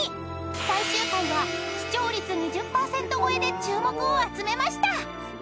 ［最終回は視聴率２０％超えで注目を集めました］